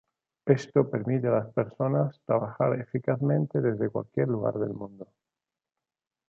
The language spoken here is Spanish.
Esto permite a las personas trabajar eficazmente desde cualquier lugar del mundo.